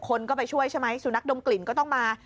คนก็ไปช่วยใช่ไหมสุนัขดมกลิ่นก็ต้องมา